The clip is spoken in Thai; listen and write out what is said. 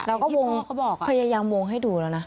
เราก็วงพยายามวงให้ดูแล้วนะ